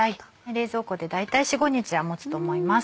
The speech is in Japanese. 冷蔵庫で大体４５日は持つと思います。